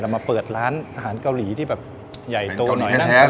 เรามาเปิดร้านอาหารเกาหลีที่แบบใหญ่โตใหน้ว่างแซม